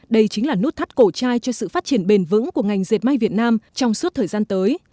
đây chính là nút thắt cổ trai cho sự phát triển bền vững của ngành dệt may việt nam trong suốt thời gian tới